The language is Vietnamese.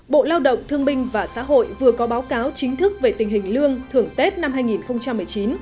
bộ lao động thương binh và xã hội vừa có báo cáo chính thức về tình hình lương thưởng tết năm hai nghìn một mươi chín